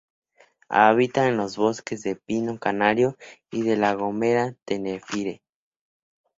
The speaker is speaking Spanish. Habita en los bosques de pino canario de La Gomera y Tenerife.